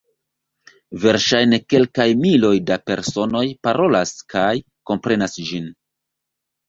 Verŝajne kelkaj miloj da personoj parolas kaj komprenas ĝin.